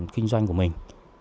kinh doanh của mình